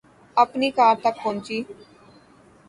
اپنی کار تک پہنچی